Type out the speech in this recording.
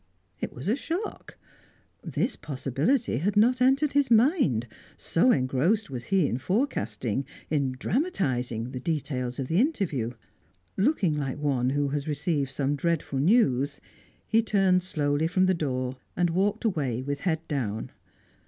It was a shock. This possibility had not entered his mind, so engrossed was he in forecasting, in dramatising, the details of the interview. Looking like one who has received some dreadful news, he turned slowly from the door and walked away with head down.